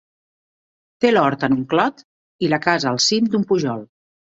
Té l'hort en un clot i la casa al cim d'un pujol.